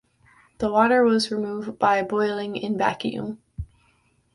The water was removed by boiling in vacuum.